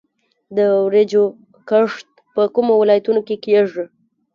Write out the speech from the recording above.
د وریجو کښت په کومو ولایتونو کې کیږي؟